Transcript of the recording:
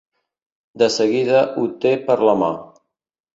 De seguida ho té per la mà.